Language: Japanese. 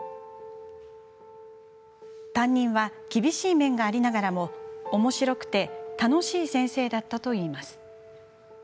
担任は厳しい面がありながらもおもしろくて楽しい先生だったといいます。